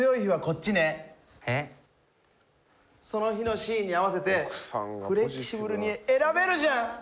その日のシーンに合わせてフレキシブルに選べるじゃん！